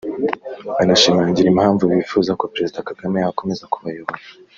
banashimangira impamvu bifuza ko Perezida Kagame yakomeza kubayobora